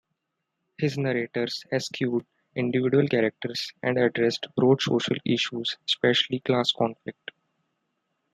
His narratives eschewed individual characters and addressed broad social issues, especially class conflict.